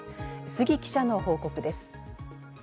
杉記者の報告です。